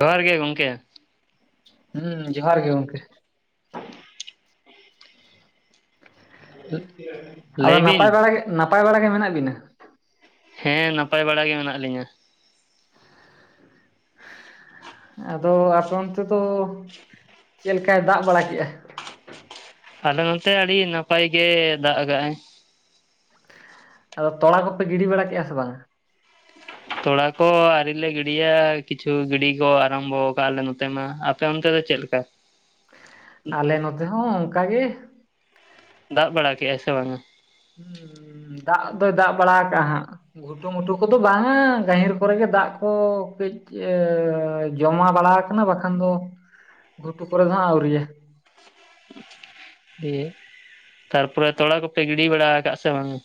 ᱡᱚᱦᱟᱨ ᱜᱮ ᱜᱚᱢᱠᱮ ᱦᱩᱸ ᱡᱚᱦᱟᱨ ᱜᱮ ᱜᱚᱝᱠᱮ [unintelligible] ᱟᱫᱚ ᱞᱟᱹᱭ ᱵᱤᱱ ᱱᱟᱯᱟᱭ ᱵᱟᱲᱟ ᱜᱮ ᱱᱟᱯᱟᱭ ᱵᱟᱲᱟ ᱜᱮ ᱢᱮᱱᱟᱜ ᱵᱤᱱᱟ ᱦᱮᱸ ᱱᱟᱯᱟᱭ ᱵᱟᱲᱟ ᱜᱮ ᱢᱮᱱᱟᱜ ᱞᱤᱧᱟᱹ ᱟᱫᱚ ᱟᱯᱮ ᱚᱱᱛᱮ ᱫᱚ ᱪᱮᱫ ᱞᱮᱠᱟᱭ ᱫᱟᱜ ᱵᱟᱲᱟ ᱠᱮᱜᱼᱟ ᱟᱞᱮ ᱱᱚᱱᱛᱮ ᱟᱹᱰᱤ ᱱᱟᱯᱟᱭ ᱜᱮ ᱫᱟᱜ ᱠᱟᱜ-ᱟᱭ ᱟᱫᱚ ᱛᱚᱲᱟ ᱠᱚᱯᱮ ᱜᱤᱰᱤ ᱵᱟᱲᱟ ᱠᱮᱜᱼᱟ ᱥᱮ ᱵᱟᱝᱟ ᱛᱚᱲᱟ ᱠᱚ ᱟᱹᱣᱨᱤᱞᱮ ᱜᱤᱰᱤᱭᱟ ᱠᱤᱪᱷᱩ ᱜᱤᱰᱤ ᱠᱚ ᱟᱨᱟᱢᱵᱚ ᱟᱠᱟᱜᱼᱟ ᱟᱞᱮ ᱱᱚᱛᱮ ᱢᱟ ᱟᱯᱮ ᱚᱱᱛᱮ ᱫᱚ ᱪᱮᱫ ᱞᱮᱠᱟ ᱟᱞᱮ ᱱᱚᱛᱮ ᱦᱚᱸ ᱚᱱᱠᱟ ᱜᱮ ᱫᱟᱜ ᱵᱟᱲᱟ ᱠᱮᱜ-ᱟᱭ ᱥᱮ ᱵᱟᱝᱟ ᱦᱩᱸᱻ ᱫᱟᱜ ᱫᱚᱭ ᱫᱟᱜ ᱵᱟᱲᱟ ᱠᱟᱜᱼᱟ ᱦᱟᱸᱜ ᱜᱷᱩᱴᱩᱢᱩᱴᱩ ᱠᱚᱫᱚ ᱵᱟᱝ-ᱟ ᱜᱟᱹᱦᱤᱨ ᱠᱚᱨᱮ ᱜᱮ ᱫᱟᱜ ᱠᱚ ᱠᱟᱹᱡ [unintelligible] ᱡᱚᱢᱟ ᱵᱟᱲᱟ ᱟᱠᱟᱱᱟ ᱵᱟᱠᱷᱟᱱ ᱫᱚ ᱜᱷᱩᱴᱩ ᱠᱚᱨᱮ ᱫᱚ ᱦᱟᱸᱜ ᱟᱹᱣᱨᱤᱭᱟ ᱫᱤᱭᱮ ᱛᱟᱨᱯᱚᱨᱮ ᱛᱚᱲᱟ ᱠᱚᱯᱮ ᱜᱤᱰᱤ ᱵᱟᱲᱟ ᱟᱠᱟᱜ-ᱟ ᱥᱮ ᱵᱟᱝᱟ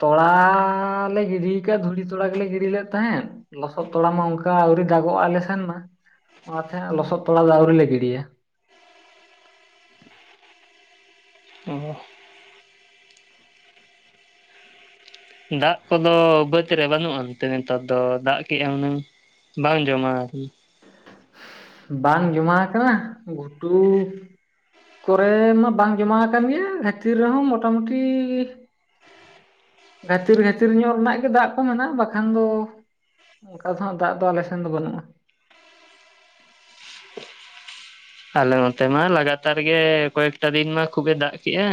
ᱛᱚᱲᱟ ᱞᱮ ᱜᱤᱰᱤᱭ ᱠᱟᱫ-ᱟ ᱫᱷᱩᱲᱤ ᱛᱚᱲᱟ ᱜᱮᱞᱮ ᱜᱤᱰᱤ ᱞᱮᱫ ᱛᱟᱦᱮᱸᱫ ᱞᱚᱥᱚᱫ ᱛᱚᱲᱟ ᱢᱟ ᱚᱱᱠᱟ ᱟᱹᱣᱨᱤ ᱫᱟᱜᱚᱜᱼᱟ ᱟᱞᱮ ᱥᱮᱱ ᱢᱟ ᱚᱱᱟᱛᱮ ᱦᱟᱜ ᱞᱚᱥᱚᱫ ᱛᱚᱲᱟ ᱫᱚ ᱟᱣᱨᱤ ᱞᱮ ᱜᱤᱰᱤᱭᱟ ᱚ ᱫᱟᱜ ᱠᱚᱫᱚ ᱵᱟᱹᱫᱽ ᱨᱮ ᱵᱟᱹᱱᱩᱜᱼᱟᱱᱛᱮ ᱱᱮᱛᱟᱨ ᱫᱚ ᱫᱟᱜ ᱠᱮᱫᱼᱟ ᱩᱱᱟᱹᱝ ᱵᱟᱝ ᱡᱚᱢᱟ ᱵᱟᱝ ᱡᱚᱢᱟ ᱟᱠᱟᱱᱟ ᱜᱷᱩᱴᱩ ᱠᱚᱨᱮ ᱢᱟ ᱵᱟᱝ ᱡᱚᱢᱟ ᱟᱠᱟᱱ ᱜᱮᱭᱟ ᱜᱟᱹᱛᱤᱨ ᱨᱮᱦᱚᱸ ᱢᱚᱴᱟᱢᱩᱴᱤ ᱜᱷᱟᱛᱤᱨ ᱜᱷᱟᱛᱤᱨ ᱧᱚᱜ ᱨᱮᱱᱟᱜ ᱜᱮ ᱫᱟᱜ ᱠᱚ ᱢᱮᱱᱟᱜᱼᱟ ᱵᱟᱠᱷᱟᱱ ᱫᱚ ᱚᱱᱠᱟ ᱫᱚᱦᱟᱸᱜ ᱫᱟᱜ ᱫᱚ ᱟᱞᱮ ᱥᱮᱱ ᱫᱚ ᱵᱟᱹᱱᱩᱜᱼᱟ ᱟᱞᱮ ᱱᱚᱛᱮ ᱢᱟ ᱞᱟᱜᱟᱛᱟᱨ ᱜᱮ ᱠᱚᱭᱮᱠᱴᱟ ᱫᱤᱱ ᱢᱟ ᱠᱷᱩᱵ ᱮ ᱫᱟᱜ ᱠᱮᱜᱼᱟ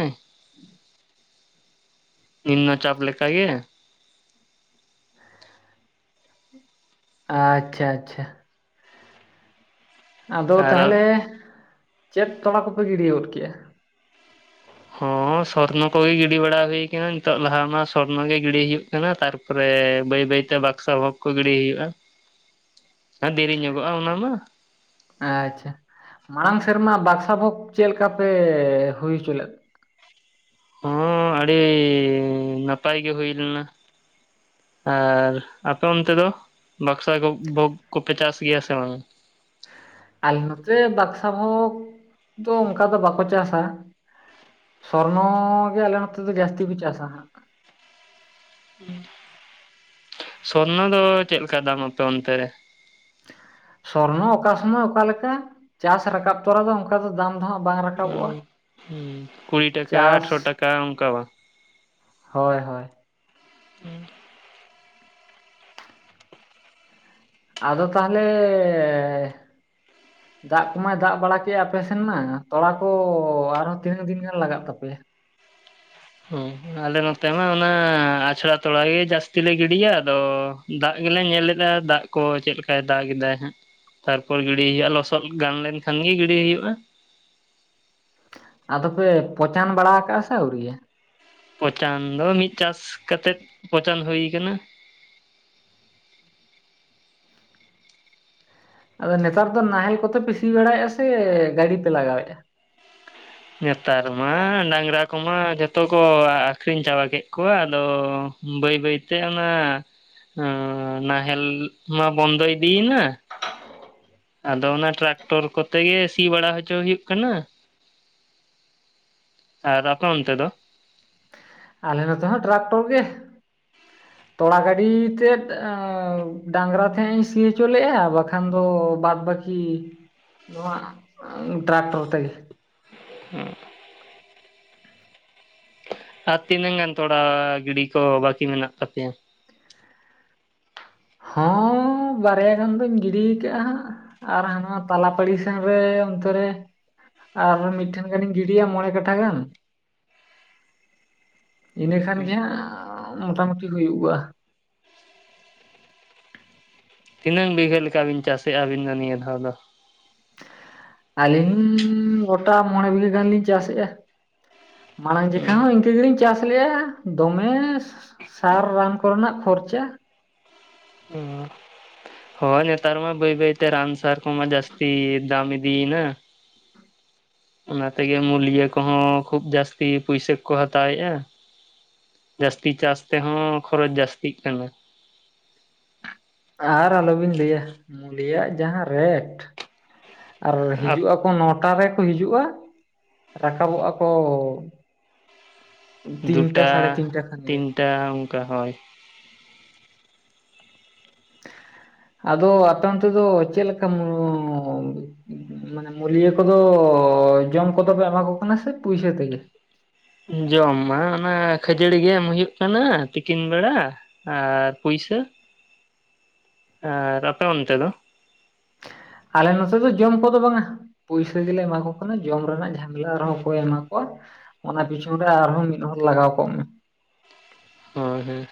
ᱱᱤᱨᱱᱚ ᱪᱟᱯ ᱞᱮᱠᱟ ᱜᱮ ᱟᱪᱪᱷᱟ ᱟᱪᱪᱷᱟ ᱟᱫᱚ ᱟᱨ ᱛᱟᱦᱚᱞᱮ ᱪᱮᱫ ᱛᱚᱲᱟ ᱠᱚᱯᱮ ᱜᱤᱰᱤ ᱜᱚᱫ ᱠᱮᱜᱼᱟ ᱦᱚᱸ ᱥᱚᱨᱱᱚ ᱠᱚᱜᱮ ᱜᱤᱰᱤ ᱵᱟᱲᱟ ᱦᱩᱭ ᱠᱟᱱᱟ ᱱᱤᱛᱚᱜ ᱞᱟᱦᱟ ᱢᱟ ᱥᱚᱨᱱᱚ ᱜᱮ ᱜᱤᱰᱤ ᱦᱩᱭᱩᱜ ᱠᱟᱱᱟ ᱛᱟᱨ ᱛᱟᱨᱯᱚᱨᱮ ᱵᱟᱹᱭ ᱵᱟᱹᱭᱛᱮ ᱵᱟᱠᱥᱟ ᱵᱷᱳᱜᱽ ᱠᱚ ᱜᱤᱰᱤ ᱦᱩᱭᱩᱜᱼᱟ ᱾ [inaudible] ᱫᱮᱨᱤ ᱧᱚᱜᱚᱜᱼᱟ ᱚᱱᱟ ᱢᱟ ᱾ ᱟᱪᱪᱷᱟ ᱢᱟᱲᱟᱝ ᱥᱮᱨᱢᱟ ᱵᱟᱠᱥᱟ ᱵᱷᱳᱜᱽ ᱪᱮᱫ ᱞᱮᱠᱟ ᱯᱮ ᱦᱩᱭ ᱦᱚᱪᱚ ᱞᱮᱫ ᱦᱚᱸ ᱟᱹᱰᱤ ᱱᱟᱯᱟᱭ ᱜᱮ ᱦᱩᱭ ᱞᱮᱱᱟ ᱟᱨ ᱟᱯᱮ ᱚᱱᱛᱮ ᱫᱚ ᱵᱟᱠᱥᱟ ᱠᱚ ᱵᱷᱳᱜᱽ ᱠᱚᱯᱮ ᱪᱟᱥ ᱜᱮᱭᱟ ᱥᱮ ᱵᱟᱝᱼᱟ? ᱟᱞᱮ ᱱᱚᱛᱮ ᱵᱟᱠᱥᱟ ᱵᱷᱳᱜᱽ ᱫᱚ ᱚᱱᱠᱟ ᱫᱚ ᱵᱟᱠᱚ ᱪᱟᱥᱟ ᱥᱚᱨᱱᱚ ᱜᱮ ᱟᱞᱮ ᱱᱚᱛᱮ ᱫᱚ ᱡᱟᱹᱥᱛᱤ ᱯᱮ ᱪᱟᱥᱟ ᱦᱟᱜ ᱾ ᱥᱚᱨᱱᱚ ᱫᱚ ᱪᱮᱫ ᱞᱮᱠᱟ ᱫᱟᱢ ᱟᱯᱮ ᱚᱱᱛᱮ ᱨᱮ ᱥᱚᱨᱱᱚ ᱚᱠᱟ ᱥᱚᱢᱚᱭ ᱚᱠᱟ ᱞᱮᱠᱟ ᱪᱟᱥ ᱨᱟᱠᱟᱵ ᱛᱚᱨᱟ ᱫᱚ ᱚᱱᱠᱟ ᱫᱚ ᱫᱟᱢ ᱵᱟᱝ ᱩᱸ ᱨᱟᱠᱟᱵᱚᱜᱼᱟ ᱩᱸ ᱠᱩᱲᱤ ᱴᱟᱠᱟ ᱟᱴᱷᱨᱚ ᱪᱟᱥ ᱴᱟᱠᱟ ᱚᱱᱠᱟ ᱵᱟ? ᱦᱳᱭ ᱦᱳᱭ [unintelligible] ᱟᱫᱚ ᱛᱟᱦᱞᱮᱻ ᱫᱟᱜ ᱠᱚᱢᱟᱭ ᱫᱟᱜ ᱵᱟᱲᱟ ᱠᱮᱜ-ᱟ ᱟᱯᱮ ᱥᱮᱱ ᱢᱟ ᱛᱚᱲᱟ ᱠᱚ ᱟᱨᱦᱚᱸ ᱛᱤᱱᱟᱹᱜ ᱫᱤᱱ ᱜᱟᱱ ᱞᱟᱜᱟᱜ ᱛᱟᱯᱮᱭᱟ ᱦᱚᱸ ᱟᱞᱮ ᱱᱚᱛᱮ ᱢᱟ ᱚᱱᱟ ᱟᱪᱷᱲᱟ ᱛᱚᱲᱟ ᱜᱮ ᱡᱟᱹᱥᱛᱤ ᱞᱮ ᱜᱤᱰᱤᱭᱟ ᱟᱫᱚ ᱫᱟᱜ ᱜᱮᱞᱮ ᱧᱮᱞᱮᱫᱟ ᱫᱟᱜ ᱠᱚ ᱪᱮᱫ ᱞᱮᱠᱟᱭ ᱫᱟᱜ ᱮᱟᱭ ᱦᱟᱸᱜ ᱛᱟᱨᱯᱚᱨ ᱜᱤᱰᱤ ᱦᱩᱭᱩᱜ-ᱟ ᱞᱚᱥᱚᱫ ᱜᱟᱱ ᱞᱮᱱ ᱠᱷᱟᱱ ᱜᱮ ᱜᱤᱰᱤ ᱦᱩᱭᱩᱜ-ᱟ ᱟᱫᱚ ᱯᱮ ᱯᱚᱪᱟᱱ ᱵᱟᱲᱟ ᱠᱟᱜ-ᱟ ᱥᱮ ᱟᱹᱣᱨᱤᱭᱟᱹ ᱯᱚᱪᱟᱱ ᱫᱚ ᱢᱤᱫ ᱪᱟᱥ ᱠᱟᱛᱮᱫ ᱯᱚᱪᱟᱱ ᱦᱩᱭ ᱠᱟᱱᱟ ᱟᱫᱚ ᱱᱮᱛᱟᱨ ᱫᱚ ᱱᱟᱦᱮᱞ ᱠᱚᱛᱮ ᱯᱮ ᱥᱤ ᱵᱟᱲᱟᱭᱮᱜ-ᱟ ᱥᱮ ᱜᱟᱹᱰᱤ ᱯᱮ ᱞᱟᱜᱟᱣᱮᱜ-ᱟ ᱱᱮᱛᱟᱨ ᱢᱟ ᱰᱟᱝᱨᱟ ᱠᱚᱢᱟ ᱡᱚᱛᱚ ᱠᱚ ᱟᱠᱷᱨᱤᱧ ᱪᱟᱵᱟ ᱠᱮᱜ ᱠᱚᱣᱟ ᱟᱫᱚ ᱵᱟᱹᱭ ᱵᱟᱹᱭᱛᱮ ᱚᱱᱟ ᱱᱟᱦᱮᱞ ᱢᱟ ᱵᱚᱱᱫᱚ ᱤᱫᱤᱭᱮᱱᱟ [inaudible] ᱟᱫᱚ ᱚᱱᱟ ᱴᱨᱟᱠᱴᱚᱨ ᱠᱚᱛᱮ ᱜᱮ ᱥᱤ ᱵᱟᱲᱟ ᱦᱚᱪᱚ ᱦᱩᱭᱩᱜ ᱠᱟᱱᱟ ᱟᱨ ᱟᱯᱮ ᱚᱱᱛᱮ ᱫᱚ ᱟᱞᱮ ᱱᱚᱛᱮ ᱦᱚ ᱴᱨᱟᱠᱴᱚᱨ ᱜᱮ ᱛᱚᱲᱟ ᱜᱟᱹᱰᱤ ᱛᱮᱫ ᱰᱟᱝᱨᱟ ᱛᱮᱦᱟᱜ‌ᱤᱧ ᱥᱤ ᱦᱚᱪᱚ ᱞᱮᱜ-ᱟ ᱵᱟᱠᱷᱟᱱ ᱫᱚ ᱵᱟᱛ ᱵᱟᱹᱠᱤ ᱡᱤᱜ ᱱᱚᱣᱟ ᱴᱨᱟᱠᱴᱚᱨ ᱛᱮᱜᱮ [unintelligible] ᱟᱨ ᱛᱤᱱᱟᱹᱝ ᱜᱟᱱ ᱛᱚᱲᱟ ᱜᱤᱰᱤ ᱠᱚ ᱵᱟᱹᱠᱤ ᱢᱮᱱᱟᱜ ᱛᱟᱯᱮᱭᱟ ᱦᱚᱸ ᱵᱟᱨᱭᱟ ᱜᱟᱱ ᱫᱚᱧ ᱜᱤᱰᱤ ᱠᱟᱜ-ᱟ ᱦᱟᱸᱜ ᱟᱨ ᱦᱟᱱᱟ ᱛᱟᱞᱟ ᱯᱟᱲᱤ ᱥᱮᱱ ᱨᱮ ᱚᱱᱛᱮᱨᱮ ᱟᱨ ᱢᱤᱫᱴᱷᱮᱱ ᱜᱟᱱᱤᱧ ᱜᱤᱰᱤᱭᱟ ᱢᱚᱬᱮ ᱠᱟᱴᱟ ᱜᱟᱱ ᱤᱱᱟᱹᱠᱷᱟᱱ ᱜᱮ ᱦᱟᱸᱜ ᱢᱚᱴᱟᱢᱩᱴᱤ ᱦᱩᱭᱩᱜ-ᱟ ᱛᱤᱱᱟᱹᱝ ᱵᱤᱜᱷᱟᱹ ᱞᱮᱠᱟ ᱵᱤᱱ ᱪᱟᱥᱮᱜ-ᱟ ᱟᱹᱵᱤᱱ ᱫᱚ ᱱᱤᱭᱟᱹ ᱫᱷᱟᱣ ᱫᱚ ᱟᱹᱞᱤᱧ ᱜᱚᱴᱟ ᱢᱚᱬᱮ ᱵᱤᱜᱷᱟᱹ ᱜᱟᱱ ᱞᱤᱧ ᱪᱟᱥᱮᱜ-ᱟ ᱢᱟᱲᱟᱝ ᱡᱮᱠᱷᱟ ᱦᱚᱸ ᱤᱝᱠᱟᱹ ᱜᱮᱞᱤᱧ ᱪᱟᱥ ᱞᱮᱜ-ᱟ ᱫᱚᱢᱮ ᱥᱟᱨ ᱨᱟᱱ ᱠᱚᱨᱮᱱᱟᱜ ᱠᱷᱚᱨᱪᱟ [unintelligible] ᱦᱚᱭ ᱱᱮᱛᱟᱨ ᱢᱟ ᱵᱟᱹᱭ ᱵᱟᱹᱭᱛᱮ ᱨᱟᱱ ᱥᱟᱨ ᱠᱚᱢᱟ ᱡᱟᱹᱥᱛᱤ ᱫᱟᱢ ᱤᱫᱤᱭᱮᱱᱟ ᱚᱱᱟ ᱛᱮᱜᱮ ᱢᱩᱞᱭᱟ ᱠᱚᱦᱚᱸ ᱠᱷᱩᱵ ᱡᱟᱹᱥᱛᱤ ᱯᱩᱭᱥᱟ ᱠᱚ ᱦᱟᱛᱟᱣᱮᱜ-ᱟ ᱡᱟᱹᱥᱛᱤ ᱪᱟᱥ ᱛᱮᱦᱚᱸ ᱠᱷᱚᱨᱚᱪ ᱡᱟᱹᱥᱛᱤᱜ ᱠᱟᱱᱟ ᱟᱨ ᱟᱞᱚᱵᱤᱱ ᱞᱟᱹᱭᱟ ᱢᱩᱞᱤᱭᱟᱜ ᱡᱟᱦᱟᱸ ᱨᱮᱴ ᱟᱨ ᱟᱯ ᱦᱤᱡᱩᱜ-ᱟ ᱱᱚᱴᱟ ᱨᱮᱠᱚ ᱦᱤᱡᱩᱜ-ᱟ ᱨᱟᱠᱟᱵᱚᱜ-ᱟ ᱠᱚ ᱛᱤᱱᱴᱟ ᱥᱟᱲᱮ ᱛᱤᱱᱴᱟ ᱠᱷᱟᱱ ᱜᱮ ᱴᱟ ᱚᱝᱠᱟ ᱦᱚᱭ ᱟᱫᱚ ᱟᱯᱮ ᱚᱱᱛᱮ ᱫᱚ ᱪᱮᱫ ᱞᱮᱠᱟᱢ [unintelligible] ᱢᱟᱱᱮ ᱢᱩᱞᱤᱭᱟᱹ ᱠᱚᱫᱚ ᱡᱚᱢ ᱠᱚᱫᱚ ᱯᱮ ᱮᱢᱟ ᱠᱚ ᱠᱟᱱᱟ ᱥᱮ ᱯᱩᱭᱥᱟ ᱛᱮᱜᱮ ᱡᱚᱢ ᱢᱟ ᱚᱱᱟ ᱠᱷᱟᱡᱟᱹᱲᱤ ᱜᱮ ᱮᱢ ᱦᱩᱭᱩᱜ ᱠᱟᱱᱟ ᱛᱤᱠᱤᱱ ᱵᱮᱲᱟ ᱟᱨ ᱯᱩᱭᱥᱟ ᱟᱨ ᱟᱯᱮ ᱚᱱᱛᱮ ᱫᱚ ᱟᱞᱮ ᱱᱚᱛᱮ ᱫᱚ ᱡᱚᱢ ᱠᱚᱫᱚ ᱵᱟᱝᱟ ᱯᱩᱭᱥᱟᱹ ᱜᱮᱞᱮ ᱮᱢᱟ ᱠᱚ ᱠᱟᱱᱟ ᱡᱚᱢ ᱨᱮᱱᱟᱜ ᱡᱷᱟᱢᱮᱞᱟ ᱟᱨᱦᱚᱸ ᱠᱚᱭ ᱮᱢᱟ ᱠᱚ [unintelligible] ᱚᱱᱟ ᱯᱤᱪᱷᱚᱱ ᱨᱮ ᱟᱨᱦᱚᱸ ᱢᱤᱫ ᱦᱚᱲ ᱞᱟᱜᱟᱣ ᱠᱚᱜ ᱢᱮ ᱦᱚᱭ ᱦᱮᱸ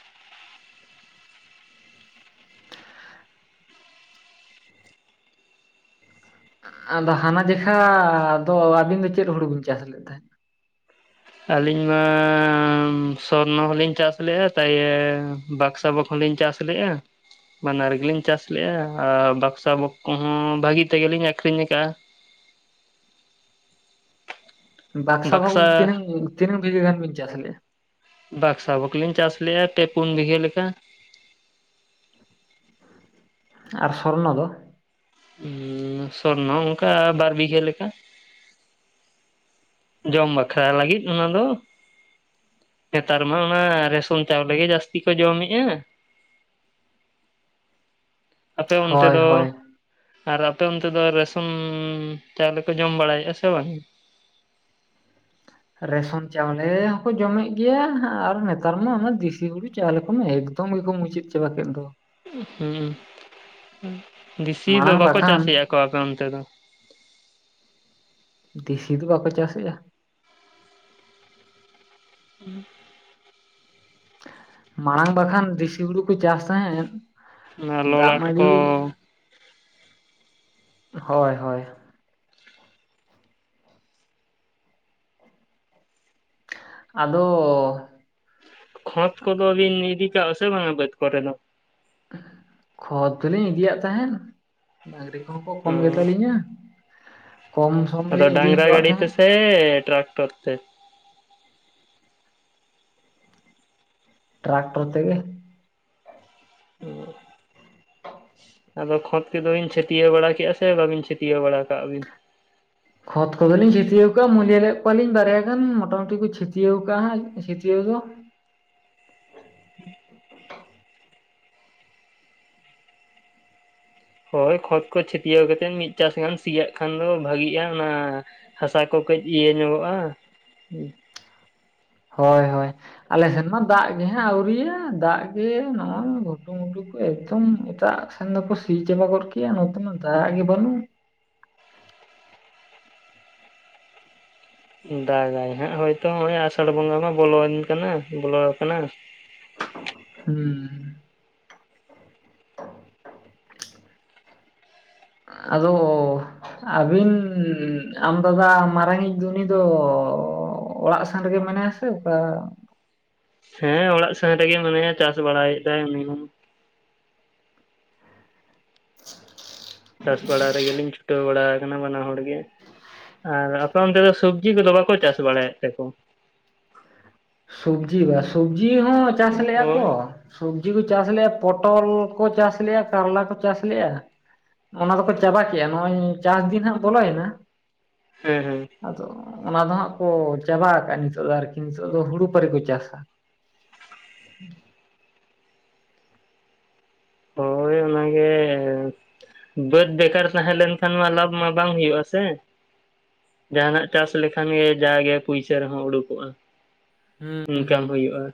ᱟᱫᱚ ᱦᱟᱱᱟ ᱡᱮᱠᱷᱟ ᱫᱚ ᱟᱹᱵᱤᱱ ᱫᱚ ᱪᱮᱫ ᱦᱩᱲᱩ ᱵᱤᱱ ᱪᱟᱥ ᱞᱮᱫ ᱛᱟᱦᱮᱸᱜ ᱟᱹᱞᱤᱧ ᱢᱟ ᱥᱚᱨᱱᱚ ᱦᱚᱞᱤᱧ ᱪᱟᱥ ᱞᱮᱜ-ᱟ ᱛᱟᱭᱮ ᱵᱟᱠᱥᱟ ᱵᱟᱠᱽᱦᱚᱸᱞᱤᱧ ᱪᱟᱥ ᱞᱮᱜ-ᱟ ᱵᱟᱱᱟᱨ ᱜᱮᱞᱤᱧ ᱪᱟᱥ ᱞᱮᱜ-ᱟ ᱟᱨ ᱵᱟᱠᱥᱟ ᱵᱚᱠᱚ ᱦᱚᱸ ᱵᱷᱟᱹᱜᱤ ᱛᱮᱜᱮᱞᱤᱧ ᱟᱠᱷᱨᱤᱧ ᱠᱟᱜ-ᱟ ᱵᱟᱠᱥᱟ ᱵᱷᱚᱠ ᱫᱚ ᱛᱤᱱᱟᱝ ᱛᱤᱱᱟᱝ ᱵᱷᱤᱜᱷᱟᱹ ᱜᱟᱱ ᱵᱤᱱ ᱪᱟᱥ ᱞᱮᱜ-ᱟ ᱵᱟᱠᱥᱟ ᱵᱷᱚᱠᱞᱤᱧ ᱪᱟᱥ ᱞᱮᱜ-ᱟ ᱯᱮ ᱯᱩᱱ ᱵᱤᱜᱷᱟᱹ ᱞᱮᱠᱟ ᱟᱨ ᱥᱚᱨᱱᱚ ᱫᱚ ᱩᱸᱥᱚᱨᱱᱚ ᱦᱚ ᱚᱝᱠᱟ ᱵᱟᱨ ᱵᱤᱜᱷᱟᱹ ᱞᱮᱠᱟ ᱡᱚᱢ ᱵᱟᱠᱷᱨᱟ ᱞᱟᱹᱜᱤᱫ ᱚᱱᱟ ᱫᱚ ᱱᱮᱛᱟᱨ ᱢᱟ ᱚᱱᱟ ᱨᱮᱥᱚᱱ ᱪᱟᱣᱞᱮ ᱜᱮ ᱡᱟᱹᱥᱛᱤ ᱠᱚ ᱡᱚᱢᱮᱜᱼᱟ ᱟᱯᱮ ᱚᱱᱛᱮ ᱦᱳᱭ ᱫᱚ ᱦᱳᱭ ᱟᱨ ᱟᱯᱮ ᱚᱱᱛᱮ ᱫᱚ ᱨᱮᱥᱚᱱ ᱪᱟᱣᱞᱮ ᱠᱚ ᱡᱚᱢ ᱵᱟᱲᱟᱭᱮᱫᱼᱟ ᱥᱮ ᱵᱟᱝ ᱨᱮᱥᱚᱱ ᱪᱟᱣᱞᱮ ᱦᱚᱸᱠᱚ ᱡᱚᱢᱮ ᱜᱮᱭᱟ ᱟᱨ ᱱᱮᱛᱟᱨ ᱢᱟ ᱚᱱᱟ ᱫᱤᱥᱤ ᱦᱩᱲᱩ ᱪᱟᱣᱞᱮ ᱠᱚᱢᱟ ᱮᱠ ᱮᱜᱫᱚᱢ ᱜᱮᱠᱚ ᱢᱩᱪᱟᱹᱫ ᱪᱟᱵᱟ ᱠᱮᱫ ᱫᱚ ᱦᱩᱸᱜᱼᱩᱸ ᱫᱤᱥᱤ ᱫᱚ ᱢᱟᱲᱟᱝ ᱵᱟᱠᱚ ᱵᱟᱠᱷᱟᱱ ᱪᱟᱥᱮᱜᱼᱟᱠᱚ ᱟᱯᱮ ᱚᱱᱛᱮ ᱫᱚ ᱫᱤᱥᱤ ᱫᱚ ᱵᱟᱠᱚ ᱪᱟᱥᱮᱜᱼᱟ [inaudible] ᱢᱟᱲᱟᱝ ᱵᱟᱠᱷᱟᱱ ᱫᱤᱥᱤ ᱦᱩᱲᱩ ᱠᱚ ᱪᱟᱥ ᱛᱟᱦᱮᱸᱫ ᱚᱱᱟ ᱫᱟᱜ ᱞᱚᱞᱟᱴ ᱢᱟᱹᱰᱤ ᱠᱚ ᱦᱚᱭ ᱦᱚᱭ ᱟᱫᱚ ᱠᱷᱚᱸᱛ ᱠᱚᱫᱚ ᱵᱤᱱ ᱤᱫᱤ ᱠᱟᱣᱚᱜᱼᱟ ᱥᱮ ᱵᱟᱝᱟ ᱵᱟᱹᱫ ᱠᱚᱨᱮ ᱫᱚ ᱠᱷᱚᱛ ᱫᱚᱞᱤᱧ ᱤᱫᱤᱭᱟᱜ ᱛᱟᱦᱮᱸᱫ ᱰᱟᱹᱝᱨᱤ ᱠᱚᱦᱚᱸ ᱠᱚ ᱚ ᱠᱚᱢ ᱜᱮ ᱛᱟᱹᱞᱤᱧᱟ ᱟᱫᱚ ᱰᱟᱝᱨᱟ ᱜᱟᱹᱰᱤ ᱛᱮ ᱛᱟᱦᱮᱸᱫ ᱥᱮ ᱴᱨᱟᱠᱴᱚᱨ ᱛᱮ ᱴᱨᱟᱠᱴᱚᱨ ᱛᱮᱜᱮ [inaudible] ᱟᱫᱚ ᱠᱷᱚᱸᱛ ᱠᱚᱫᱚ ᱵᱤᱱ ᱪᱷᱟᱹᱛᱤᱭᱟᱹᱣ ᱵᱟᱲᱟ ᱠᱮᱜᱼᱟ ᱥᱮ ᱵᱟᱵᱤᱱ ᱪᱷᱟᱹᱛᱤᱭᱟᱹᱣ ᱵᱟᱲᱟ ᱠᱟᱜ ᱟ ᱵᱤᱱ ᱠᱷᱚᱛ ᱠᱚᱫᱚᱞᱤᱧ ᱪᱷᱟᱹᱛᱤᱭᱟᱹᱣ ᱠᱟᱜᱼᱟ ᱢᱩᱞᱭᱟᱹ ᱞᱮᱜ ᱠᱚᱣᱟᱞᱤᱧ ᱵᱟᱨᱭᱟ ᱜᱟᱱ ᱢᱚᱴᱟᱢᱩᱴᱤ ᱠᱚ ᱪᱷᱟᱹᱛᱤᱭᱟᱹᱣ ᱠᱟᱜᱼᱟ ᱪᱷᱮᱛᱤᱭᱟᱹᱣ ᱫᱚ ᱦᱳᱭ ᱠᱷᱚᱛ ᱠᱚ ᱪᱷᱟᱛᱤᱭᱟᱹᱣ ᱠᱟᱛᱮᱫ ᱢᱤᱫ ᱪᱟᱥ ᱜᱟᱱ ᱥᱤᱭᱟᱜ ᱠᱷᱟᱱ ᱫᱚ ᱵᱷᱟᱜᱤᱜᱼᱟ ᱚᱱᱟ ᱦᱟᱥᱟ ᱠᱚ ᱠᱟᱹᱡ ᱤᱭᱟᱹ ᱧᱚᱜᱚᱜᱼᱟ ᱦᱳᱭ ᱦᱳᱭ ᱟᱞᱮ ᱥᱮᱱ ᱢᱟ ᱫᱟᱜ ᱜᱮ ᱦᱟᱸᱜ ᱟᱹᱣᱨᱤᱭᱟ ᱫᱟᱜ ᱜᱮ ᱱᱚᱜᱼᱚᱭ ᱜᱷᱩᱴᱩᱢᱩᱴᱩ ᱮᱠᱫᱚᱢ ᱮᱴᱟᱜ ᱥᱮᱱ ᱫᱚᱠᱚ ᱥᱤ ᱪᱟᱵᱟ ᱜᱟᱫ ᱠᱮᱜᱼᱟ ᱱᱚᱛᱮ ᱢᱟ ᱫᱟᱜ ᱜᱮ ᱵᱟᱹᱱᱩᱜ ᱫᱟᱜᱟᱭ ᱦᱟᱸᱜ ᱦᱳᱭᱛᱚ ᱚᱸᱱᱮ ᱟᱥᱟᱲ ᱵᱚᱸᱜᱟ ᱢᱟ ᱵᱚᱞᱚᱭᱮᱱ ᱠᱟᱱᱟ ᱵᱚᱞᱚ ᱠᱟᱱᱟ ᱦᱩᱸ ᱟᱫᱚ ᱟᱹᱵᱤᱱ ᱟᱢ ᱫᱟᱫᱟ ᱢᱟᱨᱟᱝᱤᱡ ᱫᱚ ᱩᱱᱤ ᱫᱚ ᱚᱲᱟᱜ ᱥᱮᱱ ᱨᱮᱜᱮ ᱢᱮᱱᱟᱭᱟ ᱥᱮ ᱚᱠᱟ ᱦᱮᱸ ᱚᱲᱟᱜ ᱥᱮᱱ ᱨᱮᱜᱮ ᱢᱟᱱᱮᱭᱟ ᱪᱟᱥ ᱵᱟᱲᱟᱭᱮᱫ ᱫᱟᱭ ᱩᱱᱤ ᱦᱚᱸ [inaudible] [unintelligible] ᱪᱟᱥ ᱵᱟᱲᱟ ᱨᱮᱜᱮᱞᱤᱧ ᱪᱷᱩᱴᱟᱹᱣ ᱵᱟᱲᱟ ᱟᱠᱟᱱᱟ ᱵᱟᱱᱟ ᱦᱚᱲ ᱜᱮ ᱟᱨ ᱟᱯᱮ ᱚᱱᱛᱮ ᱫᱚ ᱥᱚᱵᱽᱡᱤ ᱠᱚᱫᱚ ᱵᱟᱠᱚ ᱪᱟᱥ ᱵᱟᱲᱟᱭᱮᱫ ᱛᱮᱠᱚ ᱥᱚᱵᱽᱡᱤ ᱵᱟ ᱥᱚᱵᱽᱡᱤ ᱦᱚᱸ ᱪᱟᱥ ᱞᱮᱫᱼᱟ ᱠᱚ ᱦᱳᱭ ᱥᱚᱵᱽᱡᱤ ᱠᱚ ᱪᱟᱥ ᱞᱮᱜᱼᱟ ᱯᱚᱴᱚᱞ ᱠᱚ ᱪᱟᱥ ᱞᱮᱜᱼᱟ ᱠᱟᱨᱞᱟ ᱠᱚ ᱪᱟᱥ ᱞᱮᱜᱼᱟ ᱚᱱᱟ ᱫᱚᱠᱚ ᱪᱟᱵᱟ ᱠᱮᱜᱼᱟ ᱱᱚᱜ ᱚᱭ ᱪᱟᱥ ᱫᱤᱱ ᱦᱟᱸᱜ ᱵᱚᱞᱚᱭᱮᱱᱟ ᱦᱮᱸ ᱦᱮᱸ ᱟᱫᱚ ᱚᱱᱟ ᱫᱚ ᱦᱟᱸᱜ ᱠᱚ ᱪᱟᱵᱟ ᱟᱠᱟᱜᱼᱟ ᱱᱤᱛᱚᱜ ᱫᱚ ᱟᱨᱠᱤ ᱱᱤᱛᱚᱜ ᱫᱚ ᱦᱩᱲᱩ ᱯᱟᱹᱨᱤ ᱠᱚ ᱪᱟᱥᱟ [inaudible] ᱦᱳᱭ ᱚᱱᱟᱜᱮ ᱵᱟᱹᱫᱽ ᱵᱮᱠᱟᱨ ᱛᱟᱦᱮᱸ ᱞᱱᱠᱷᱟᱱ ᱢᱟ ᱞᱟᱵᱷ ᱢᱟ ᱵᱟᱝ ᱦᱩᱭᱩᱜᱼᱟ ᱥᱮ ᱡᱟᱦᱟᱱᱟᱜ ᱪᱟᱥ ᱞᱮᱠᱷᱟᱱ ᱜᱮ ᱡᱟᱜᱮ ᱯᱩᱭᱥᱟᱹ ᱨᱮᱦᱚᱸ ᱩᱰᱩᱠᱚᱜᱼᱟ ᱦᱩᱸ ᱤᱱᱠᱟᱢ ᱦᱩᱸ ᱦᱩᱭᱩᱜᱼᱟ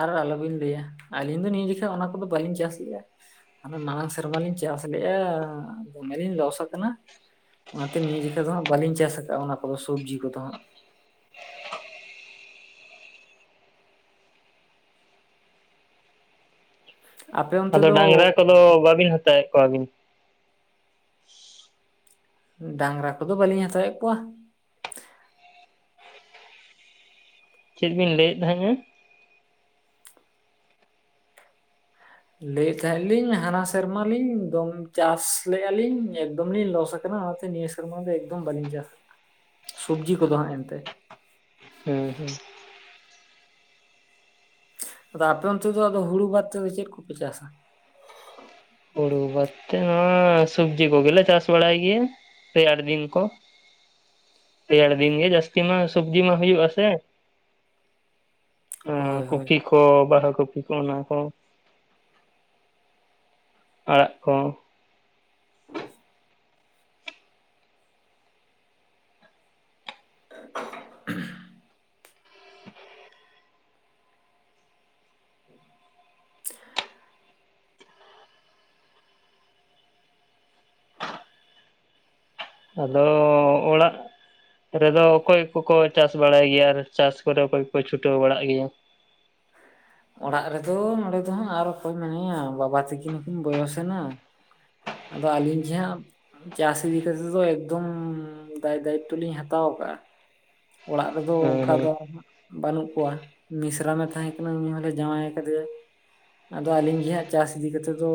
ᱟᱨ ᱟᱞᱚᱵᱤᱱ ᱞᱟᱹᱭᱟ ᱟᱹᱞᱤᱧ ᱫᱚ ᱱᱤᱭᱟᱹ ᱡᱮᱠᱷᱟᱜ ᱚᱱᱟ ᱠᱚᱫᱚ ᱵᱟᱹᱞᱤᱧ ᱪᱟᱥᱮᱜᱼᱟ ᱦᱟᱱᱮ ᱢᱟᱲᱟᱝ ᱥᱮᱨᱢᱟ ᱞᱤᱧ ᱪᱟᱥ ᱞᱮᱼᱟ ᱫᱚᱢᱮᱞᱤᱧ ᱞᱚᱥ ᱟᱠᱟᱱᱟ ᱚᱱᱟᱛᱮ ᱱᱤᱭᱟᱹ ᱡᱮᱠᱷᱟ ᱫᱚ ᱦᱟᱸᱜ ᱵᱟᱹᱞᱤᱧ ᱪᱟᱥ ᱟᱠᱟᱜᱼᱟ ᱚᱱᱟ ᱠᱚᱫᱚ ᱥᱚᱵᱽᱡᱤ ᱠᱚᱫᱚ ᱦᱟᱸᱜ ᱟᱯᱮ ᱚᱱᱛᱮ ᱟᱫᱚ ᱫᱚ ᱰᱟᱝᱨᱟ ᱠᱚᱫᱚ ᱵᱟᱵᱤᱱ ᱦᱟᱛᱟᱣᱮᱫ ᱠᱚᱣᱟᱵᱤᱱ ᱰᱟᱝᱨᱟ ᱠᱚᱫᱚ ᱵᱟᱹᱞᱤᱧ ᱦᱟᱛᱟᱣᱮᱫ ᱠᱚᱣᱟ ᱪᱮᱫ ᱵᱤᱱ ᱞᱟᱹᱭᱮᱫ ᱛᱟᱦᱮᱸᱜᱼᱟ ᱞᱟᱹᱭᱮᱫ ᱛᱟᱦᱮᱸᱜ ᱞᱤᱧ ᱦᱟᱱᱟ ᱥᱮᱨᱢᱟ ᱞᱤᱧ ᱫᱚᱢ ᱪᱟᱥ ᱞᱮᱜᱼᱟᱹᱞᱤᱧ ᱮᱠᱫᱚᱢ ᱞᱤᱧ ᱞᱚᱥ ᱟᱠᱟᱱᱟ ᱚᱱᱟᱛᱮ ᱱᱤᱭᱟᱹ ᱥᱮ ᱥᱮᱨᱢᱟ ᱫᱚ ᱮᱠᱫᱚᱢ ᱵᱟᱹᱞᱤᱧ ᱪᱟᱥᱟ ᱥᱚᱵᱽᱡᱤ ᱠᱚᱫᱚ ᱦᱟᱸᱜ ᱮᱱᱛᱮ ᱦᱮᱸ ᱦᱮᱸ ᱟᱫᱚ ᱟᱯᱮ ᱚᱱᱛᱮ ᱫᱚ ᱟᱫᱚ ᱦᱩᱲᱩ ᱵᱟᱫ ᱛᱮᱫᱚ ᱪᱮᱫ ᱠᱚᱯᱮ ᱪᱟᱥᱟ? ᱦᱤᱡᱩ ᱵᱟᱫ ᱛᱮ ᱥᱚᱵᱡᱤ ᱠᱚᱜᱮᱞᱮ ᱪᱟᱥ ᱵᱟᱲᱟᱭ ᱜᱮ ᱨᱮᱭᱟᱨ ᱫᱤᱱ ᱠᱚ ᱨᱮᱭᱟᱲ ᱫᱤᱱ ᱜᱮ ᱡᱟᱹᱥᱛᱤ ᱢᱟ ᱥᱚᱵᱡᱤ ᱢᱟ ᱦᱩᱭᱩᱜ ᱟ ᱥᱮ᱾ ᱦᱳᱭ ᱦᱮᱸ ᱦᱳᱭ ᱠᱚᱯᱤ ᱠᱚ ᱵᱟᱨᱦᱟ ᱠᱚᱯᱤ ᱠᱚ ᱚᱱᱟ ᱠᱚ ᱟᱲᱟᱜ ᱠᱚ ᱚ [unintelligible] [unintelligible] [inaudible] ᱟᱫᱚ ᱚᱲᱟᱜ ᱨᱮᱫᱚ ᱚᱠᱚᱭ ᱠᱚᱠᱚ ᱪᱟᱥ ᱵᱟᱲᱟᱭ ᱜᱮᱭᱟ ᱟᱨ ᱪᱟᱥ ᱠᱚᱨᱮ ᱚᱠᱚᱭ ᱠᱚ ᱪᱷᱩᱴᱟᱹᱣ ᱵᱟᱲᱟᱜ ᱜᱮᱭᱟ? ᱚᱲᱟᱜ ᱨᱮᱫᱚ ᱱᱚᱸᱰᱮ ᱫᱚ ᱦᱟᱸᱜ ᱟᱨ ᱚᱠᱚᱭ ᱢᱮᱱᱟᱭᱟ ᱵᱟᱵᱟ ᱛᱠᱤᱱ ᱦᱚᱸᱠᱤᱱ ᱵᱚᱭᱚᱥᱮ ᱮᱱᱟ ᱟᱫᱚ ᱟᱹᱞᱤᱧ ᱜᱮ ᱦᱟᱜ ᱪᱟᱹᱥᱤ ᱤᱫᱤ ᱠᱟᱛᱮ ᱫᱚ ᱮᱠᱫᱚᱢ ᱫᱟᱭ ᱫᱟᱭᱤᱛᱛᱚ ᱞᱤᱧ ᱦᱟᱛᱟᱣ ᱟᱠᱟᱫᱼᱟ᱾ ᱚᱲᱟᱜ ᱨᱮᱫᱚ ᱚᱱᱠᱟ ᱦᱮᱸ ᱫᱚ ᱵᱟᱹᱱᱩᱜ ᱠᱚᱣᱟ ᱢᱤᱥᱨᱟᱢᱮ ᱛᱟᱦᱮᱸ ᱠᱟᱱᱟ ᱩᱱᱤ ᱦᱚᱸ ᱡᱟᱶᱟᱭ ᱟᱠᱟᱫᱮᱭᱮ ᱟᱫᱚ ᱟᱹᱞᱤᱧ ᱜᱮᱦᱟᱸᱜ ᱪᱟᱥ ᱤᱫᱤ ᱠᱟᱛᱮᱜ ᱫᱚ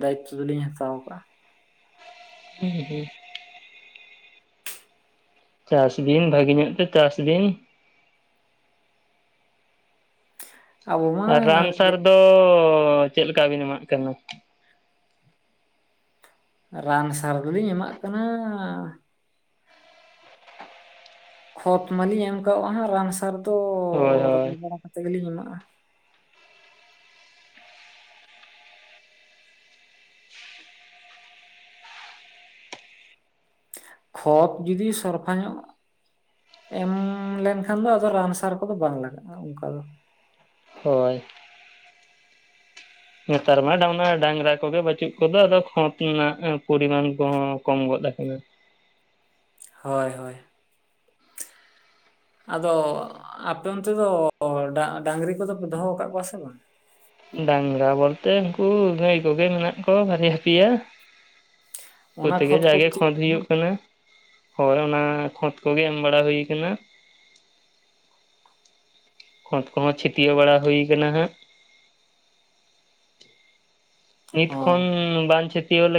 ᱫᱟᱭᱤᱛᱛᱚ ᱫᱚᱞᱤᱧ ᱦᱟᱛᱟᱣ ᱟᱠᱟᱫᱼᱟ ᱦᱮᱸ ᱦᱮᱸ ᱪᱟᱥ ᱵᱤᱱ ᱵᱷᱟᱜᱤ ᱧᱚᱜ ᱛᱮ ᱪᱟᱥ ᱵᱤᱱ ᱟᱵᱚ ᱢᱟ ᱟᱨ ᱨᱟᱱ ᱥᱟᱨ ᱨᱮᱸᱜᱮᱡ ᱫᱚ ᱪᱮᱫ ᱞᱮᱠᱟ ᱵᱤᱱ ᱮᱢᱟᱜ ᱠᱟᱱᱟ? ᱨᱟᱱ ᱥᱟᱨ ᱫᱚᱞᱤᱧ ᱮᱢᱟᱜ ᱠᱟᱱᱟ ᱠᱷᱚᱛ ᱢᱟᱞᱤᱧ ᱮᱢ ᱠᱟᱜᱼᱟ ᱦᱟᱜ ᱨᱟᱱ ᱥᱟᱨ ᱫᱚ ᱦᱳᱭ ᱦᱳᱭ ᱨᱚᱦᱚᱲ ᱵᱟᱲᱟ ᱠᱟᱛᱮᱫ ᱜᱮᱞᱤᱧ ᱮᱢᱟᱜᱼᱟ ᱠᱷᱚᱛ ᱡᱩᱫᱤ ᱥᱚᱨᱯᱷᱟ ᱧᱚᱜ ᱮᱢ ᱞᱮᱱᱠᱷᱟᱱ ᱫᱚ ᱟᱫᱚ ᱨᱟᱱ ᱥᱟᱨ ᱠᱚᱫᱚ ᱵᱟᱝ ᱞᱟᱜᱟᱜᱼᱟ ᱚᱱᱠᱟ ᱫᱚ ᱦᱳᱭ ᱱᱮᱛᱟᱨ ᱢᱟ ᱰᱟᱝ ᱰᱟᱝᱨᱟ ᱠᱚᱜᱮ ᱵᱟᱪᱩᱜ ᱠᱚᱫᱚ ᱟᱫᱚ ᱠᱷᱚᱛ ᱨᱮᱱᱟᱜ ᱯᱚᱨᱤᱢᱟᱱ ᱠᱚᱦᱚᱸ ᱠᱚᱢ ᱜᱚᱫ ᱦᱳᱭ ᱦᱳᱭ ᱟᱫᱚ ᱟᱯᱮ ᱚᱱᱛᱮ ᱫᱚ ᱰᱟᱝᱨᱤ ᱠᱚᱫᱚ ᱯᱮ ᱫᱚᱦᱚ ᱟᱠᱟᱫ ᱠᱚᱣᱟ ᱥᱮ ᱵᱟᱝ? ᱰᱟᱝᱨᱟ ᱵᱚᱞᱛᱮ ᱩᱱᱠᱩ ᱜᱟᱹᱭ ᱠᱚᱜᱮ ᱢᱮᱱᱟᱜ ᱠᱚᱣᱟ ᱵᱟᱨᱭᱟ ᱯᱤᱭᱟ᱾ ᱚᱱᱟ ᱠᱚᱛᱮᱜᱮ ᱠᱷᱚᱛ ᱠᱚ ᱡᱟᱜᱮ ᱪᱮᱫ ᱠᱷᱫᱽ ᱦᱩᱭᱩᱜ ᱠᱟᱱᱟ ᱦᱳᱭ ᱚᱱᱟ ᱠᱷᱚᱛ ᱠᱚᱜᱮ ᱮᱢ ᱵᱟᱲᱟ ᱦᱩᱭ ᱟᱠᱟᱱᱟ᱾ ᱠᱷᱫᱽ ᱠᱚᱦᱚᱸ ᱪᱷᱟᱹᱴᱭᱟᱹ ᱵᱟᱲᱟ ᱦᱩᱭ ᱟᱠᱟᱱᱟ ᱦᱟᱸᱜ ᱱᱤᱛ ᱦᱚᱸ ᱠᱷᱚᱱ ᱵᱟᱝ ᱪᱷᱤᱛᱭᱟᱹ ᱞᱮᱠᱷᱟᱱ